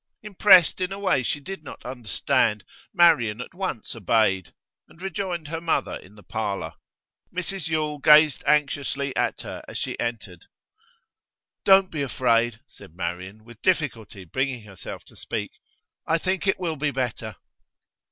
Impressed in a way she did not understand, Marian at once obeyed, and rejoined her mother in the parlour. Mrs Yule gazed anxiously at her as she entered. 'Don't be afraid,' said Marian, with difficulty bringing herself to speak. 'I think it will be better.